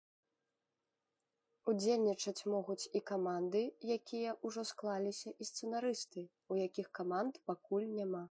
Удзельнічаць могуць і каманды, якія ўжо склаліся, і сцэнарысты, у якіх каманд пакуль няма.